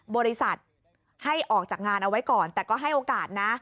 บริษัทให้ออกจากงานเอาไว้ก่อนแต่ก็ให้โอกาสนะ